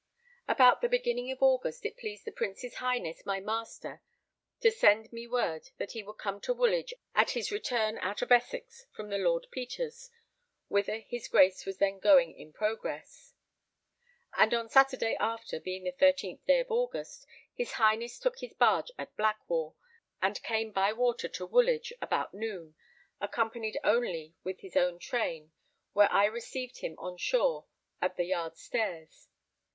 About the beginning of August it pleased the Prince's Highness my master to send me word that he would come to Woolwich at his return out of Essex from the Lord Petre's, whither his Grace was then going in progress; and on Saturday after, being the 13th day of August, his Highness took his barge at Blackwall, and came by water to Woolwich about noon, accompanied only with his own train, where I received him on shore at the yard stairs.